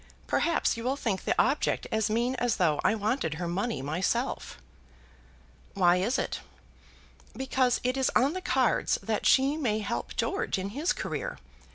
Perhaps you'll think the object as mean as though I wanted her money myself." "Why is it?" "Because it is on the cards that she may help George in his career.